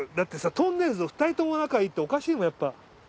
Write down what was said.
ってさとんねるずの２人とも仲いいっておかしいもんやっぱ。